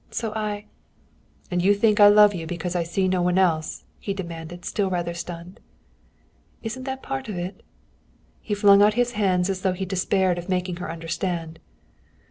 So I " "And you think I love you because I see no one else?" he demanded, still rather stunned. "Isn't that part of it?" He flung out his hands as though he despaired of making her understand.